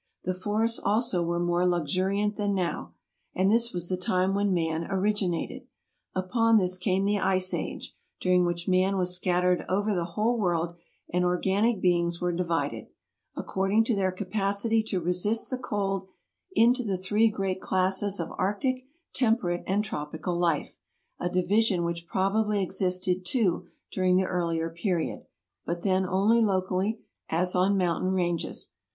The forests also were more luxuriant than now. And this was the time when man orig inated. Upon this came the ice age, during which man was scattered over the whole world, and organic beings were divided, according to their capacity to resist the cold, into the three great classes of arctic, temperate, and tropical life — a division which probably existed too during the earlier period, but then only locally, as on mountain ranges.